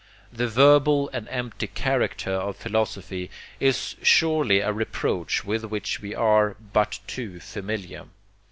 The verbal and empty character of philosophy is surely a reproach with which we are, but too familiar.